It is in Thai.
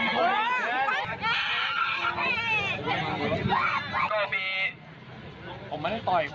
เป็นงานเท่าไหร่อย่างเดิมที่นี่